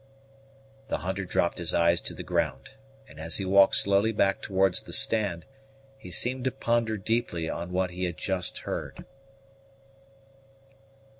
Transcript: The hunter dropped his eyes to the ground, and as he walked slowly back towards the stand, he seemed to ponder deeply on what he had just heard.